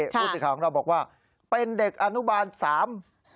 ภูมิสิทธิ์ของเราบอกว่าเป็นเด็กอนุบาลสาม